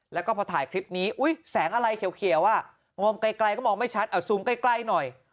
แล้วก็พอถ่ายคลิปนี้อุ๊ยแสงอะไรเขียวอ่ะมองไกลก็มองไม่ชัดเอาซูมใกล้หน่อย